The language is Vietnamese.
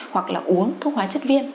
hoặc là uống thuốc hóa chất viên